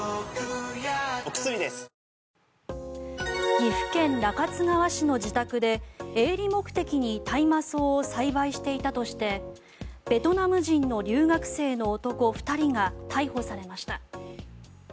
岐阜県中津川市の自宅で営利目的に大麻草を栽培していたとしてベトナム人の留学生の男２人が逮捕されました。